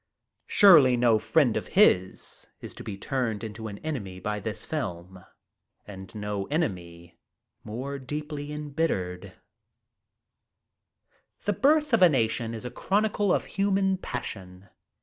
Surely no friend of his is to be turned into an enemy by this film, and no enemy more deeply embittered, "The Birth of a Nation" is a chronicle of human passion.